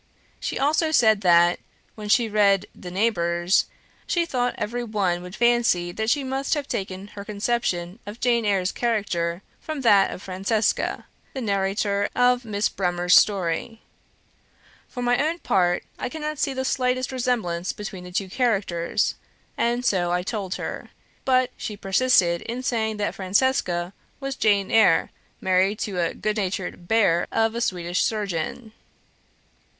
She also said that, when she read the "Neighbours," she thought every one would fancy that she must have taken her conception of Jane Eyre's character from that of "Francesca," the narrator of Miss Bremer's story. For my own part, I cannot see the slightest resemblance between the two characters, and so I told her; but she persisted in saying that Francesca was Jane Eyre married to a good natured "Bear" of a Swedish surgeon.